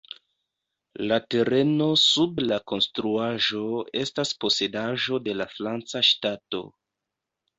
La tereno sub la konstruaĵo estas posedaĵo de la franca ŝtato.